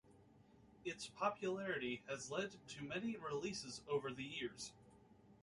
Its popularity has led to many releases over the years.